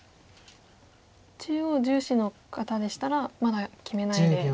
中央重視の方でしたらまだ決めないで。